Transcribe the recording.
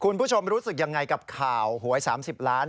คุณผู้ชมรู้สึกยังไงกับข่าวหวย๓๐ล้าน